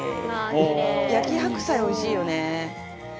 焼き白菜、おいしいよね。